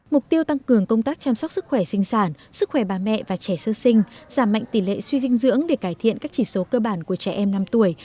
mục tiêu tăng cường công tác chăm sóc sức khỏe sinh sản sức khỏe bà mẹ và trẻ sơ sinh giảm mạnh tỷ lệ suy dinh dưỡng để cải thiện các chỉ số cơ bản của trẻ em năm tuổi